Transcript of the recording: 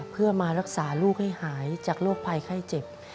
เพื่อมารักษาลูกให้หายจากโรคภัยไข้เจ็บ